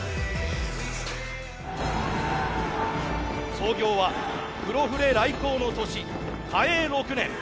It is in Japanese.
創業は黒船来航の年嘉永６年。